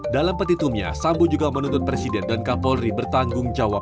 dalam petitumnya sambo juga menuntut presiden dan kapolri bertanggung jawab